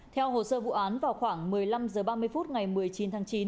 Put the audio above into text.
theo hồ sơ vụ án vào khoảng một mươi năm h ba mươi phút ngày một mươi chín tháng chín